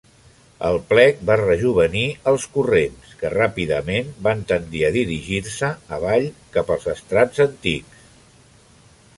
El plec va rejovenir els corrents, que ràpidament van tendir a dirigir-se avall cap als estrats antics.